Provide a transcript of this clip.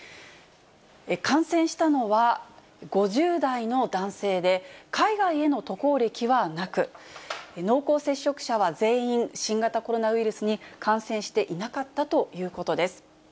感染したのは５０代の男性で、海外への渡航歴はなく、濃厚接触者は全員、新型コロナウイルスに感染していなかったということです。